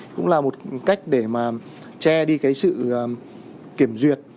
cũng là một cách để mà che đi cái sự kiểm duyệt